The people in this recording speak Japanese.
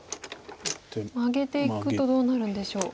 マゲていくとどうなるんでしょう。